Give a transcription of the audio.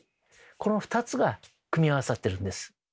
この２つが組み合わさってるんです。